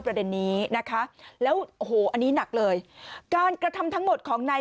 ประเด็นนี้นะคะแล้วโอ้โหอันนี้หนักเลยการกระทำทั้งหมดของนาย